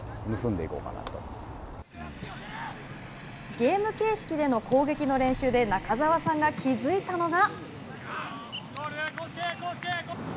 ゲーム形式での攻撃の練習で中澤さんが気付いたのが。